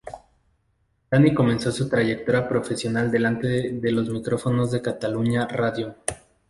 Dani comenzó su trayectoria profesional delante de los micrófonos de Catalunya Radio.